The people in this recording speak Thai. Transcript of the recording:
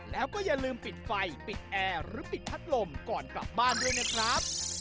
แล้วก็อย่าลืมปิดไฟปิดแอร์หรือปิดพัดลมก่อนกลับบ้านด้วยนะครับ